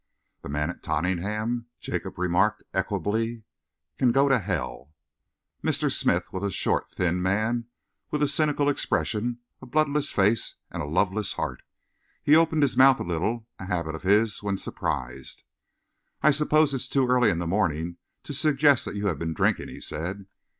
"The man at Tottenham," Jacob remarked equably, "can go to hell." Mr. Smith was a short, thin man with a cynical expression, a bloodless face and a loveless heart. He opened his mouth a little, a habit of his when surprised. "I suppose it is too early in the morning to suggest that you have been drinking," he said.